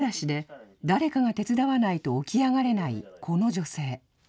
１人暮らしで誰かが手伝わないと起き上がれないこの女性。